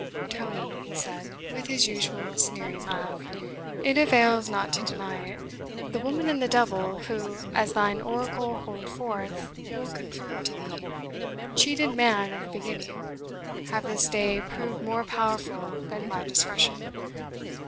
"Tony," he said, with his usual sneering laugh, "it avails not to deny it. The Woman and the Devil, who, as thine oracle Holdforth will confirm to thee, cheated man at the beginning, have this day proved more powerful than my discretion.